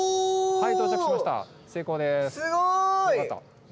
はい。